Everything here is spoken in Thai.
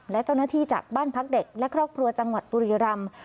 และเจ้าหน้าที่จากบ้านพักเด็กและครอบครัวจังหวัดบุรีรำ